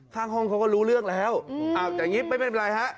ข้างห้องเขาก็รู้เรื่องแล้วอ้าวอย่างนี้ไม่เป็นไรฮะ